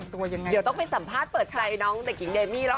ยังไงเดี๋ยวต้องไปสัมภาษณ์เปิดใจน้องเด็กหญิงเดมี่แล้ว